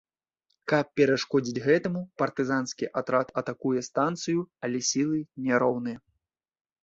Каб перашкодзіць гэтаму, партызанскі атрад атакуе станцыю, але сілы няроўныя.